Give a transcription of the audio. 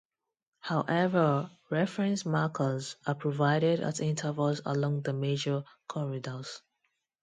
However, reference markers are provided at intervals along the major corridors.